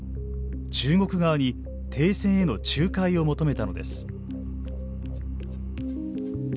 中国側に停戦への仲介を求めたのです。